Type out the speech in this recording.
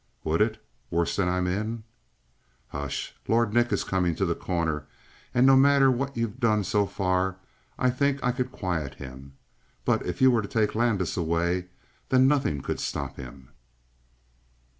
"Would it? Worse than I'm in?" "Hush! Lord Nick is coming to The Corner; and no matter what you've done so far I think I could quiet him. But if you were to take Landis away then nothing could stop him."